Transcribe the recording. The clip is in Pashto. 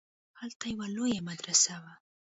هلته يوه لويه مدرسه وه.